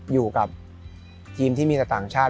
อยู่กับทีมที่มีแต่ต่างชาติ